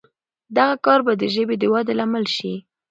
دغه کار به د ژبې د ودې لامل شي.